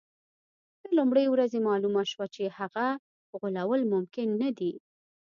له لومړۍ ورځې معلومه شوه چې هغه غولول ممکن نه دي.